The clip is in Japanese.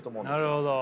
なるほど。